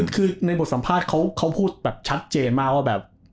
คือในบทสัมภาษณ์เขาพูดแบบชัดเจนมากว่าแบบ